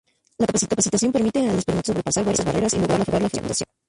La capacitación permite al espermatozoide sobrepasar varias barreras y lograr la fecundación.